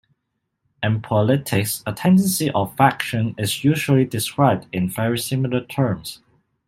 In politics, a tendency or faction is usually described in very similar terms.